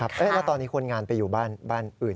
แล้วตอนนี้คนงานไปอยู่บ้านอื่น